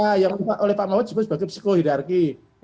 nah yang dikatakan oleh pak mahfud sebagai psikohirarki